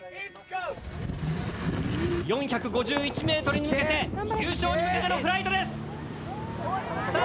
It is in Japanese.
・４５１ｍに向け優勝に向けてのフライトです！さあ